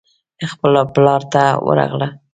خپل پلار ته ورغله.